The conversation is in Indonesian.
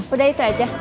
udah itu aja